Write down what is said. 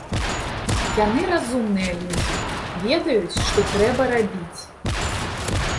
Яны разумныя людзі, ведаюць, што трэба рабіць.